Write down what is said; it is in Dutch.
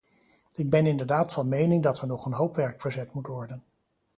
Ik ben inderdaad van mening dat er nog een hoop werk verzet moet worden.